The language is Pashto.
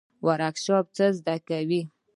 ورکشاپونه څه زده کوي؟